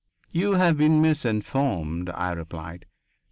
"You have been misinformed," I replied.